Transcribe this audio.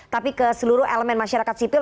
tapi ke seluruh elemen masyarakat sipil